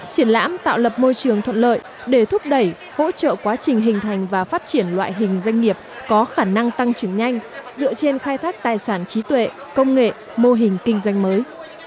triển lãm tạo lập môi trường thuận lợi để thúc đẩy hỗ trợ quá trình hình thành và phát triển loại hình doanh nghiệp có khả năng tăng trưởng nhanh dựa trên khai thác tài sản trí tuệ công nghệ mô hình kinh doanh mới